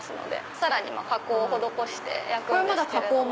さらに加工を施して焼くんですけれども。